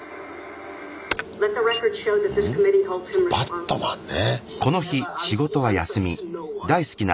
バットマンね。